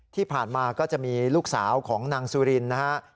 ที่ผ่านมาก็จะมีลูกสาวของนางสุรินนะครับ